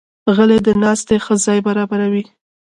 غلۍ د ناستې ښه ځای برابروي.